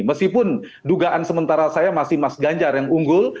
meskipun dugaan sementara saya masih mas ganjar yang unggul